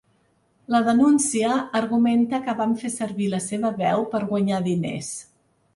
La denúncia argumenta que vam fer servir la seva veu per guanyar diners.